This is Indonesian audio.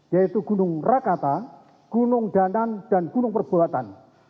yaitu gunung rakata gunung danan dan gunung perbuatan